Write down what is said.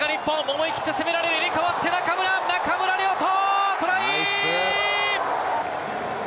思い切って攻める、入れ代わって中村、中村亮土。